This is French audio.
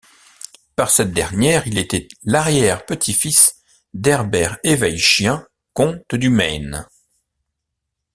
Par cette dernière, il était l'arrière-petit-fils d'Herbert Eveille-Chien, comte du Maine.